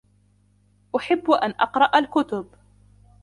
أحب أن أقرأ الكتب.